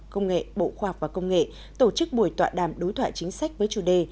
công nghệ bộ khoa học và công nghệ tổ chức buổi tọa đàm đối thoại chính sách với chủ đề